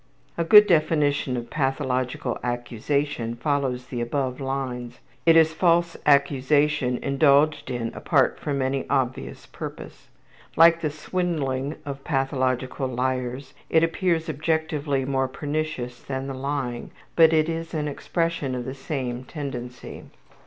A good definition of pathological accusation follows the above lines. It is false accusation indulged in apart from any obvious purpose. Like the swindling of pathological liars, it appears objectively more pernicious than the lying, but it is an expression of the same tendency.